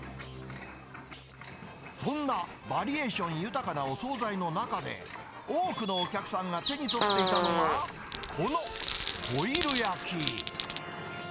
そんなバリエーション豊かなお総菜の中で、多くのお客さんが手に取っていたのが、このホイル焼き。